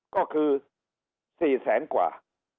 ก็คือ๔แสนกว่า